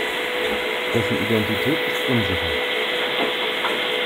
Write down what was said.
Dessen Identität ist unsicher.